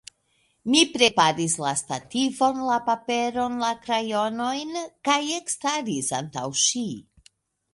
Mi preparis la stativon, la paperon, la krajonojn kaj ekstaris antaŭ ŝi.